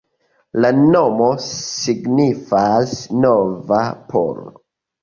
La nomo signifas nova-polo.